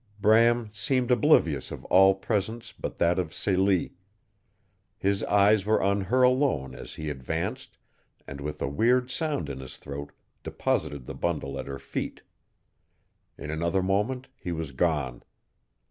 Bram seemed oblivious of all presence but that of Celie. His eyes were on her alone as he advanced and with a weird sound in his throat deposited the bundle at her feet. In another moment he was gone.